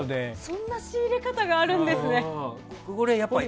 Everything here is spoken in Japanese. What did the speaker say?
そんな仕入れ方があるんですね。